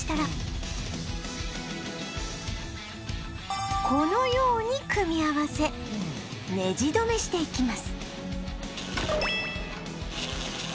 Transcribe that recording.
木材をこのように組み合わせネジどめしていきます